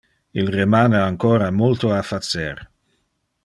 Il remane ancora multo a facer.